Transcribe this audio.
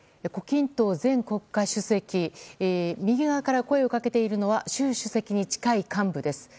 胡錦涛前国家主席右側から声をかけているのは習主席に近い幹部です。